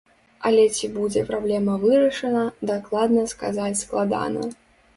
Але ці будзе праблема вырашана, дакладна сказаць складана.